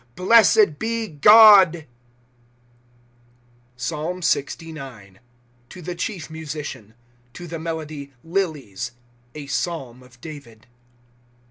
Blessed be God ! PSALM LXIX. To the chief Musician. To [the melody] " Lilies," [A Pealm] of David.